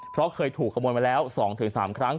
เพราะเคยถูกขโมยมาแล้ว๒๓ครั้ง